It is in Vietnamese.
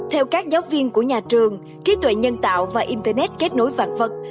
theo các giáo viên của nhà trường trí tuệ nhân tạo và internet kết nối vạn vật